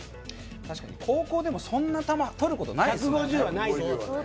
高校でもそんな球とることないですからね。